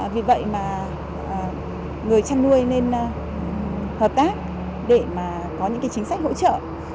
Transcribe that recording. vì vậy người trăn nuôi nên hợp tác để có những chính sách hỗ trợ